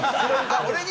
俺に？